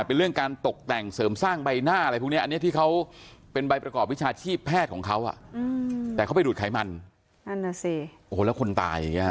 เป็นเรื่องการตกแต่งเสริมสร้างใบหน้าอะไรพวกนี้อันนี้ที่เขาเป็นใบประกอบวิชาชีพแพทย์ของเขาแต่เขาไปดูดไขมันแล้วคนตาย